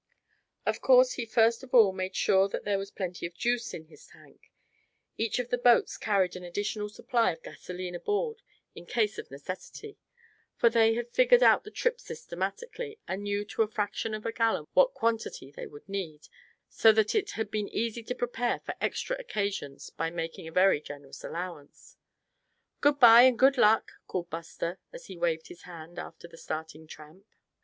Of course he first of all made sure that there was plenty of "juice" in his tank; each of the boats carried an additional supply of gasoline aboard, in case of necessity, for they had figured out the trip systematically, and knew to a fraction of a gallon what quantity they would need, so that it had been easy to prepare for extra occasions by making a very generous allowance. "Goodbye, and good luck!" called Buster, as he waved his hand after the starting Tramp.